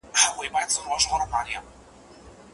که خامه بڼه وکتل سي تېروتني ژر سمېږي.